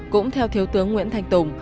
cũng theo thiếu tướng nguyễn thanh tùng